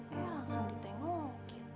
kayaknya langsung ditengokin